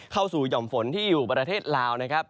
เข้าสู่หย่อมฝนที่อยู่ประเทศลาว